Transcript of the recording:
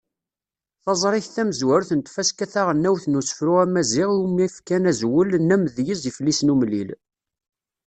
Taẓrigt tamezwarut n tfaska taɣelnawt n usefru amaziɣ iwumi fkan azwel n “Amedyez Iflisen Umellil”.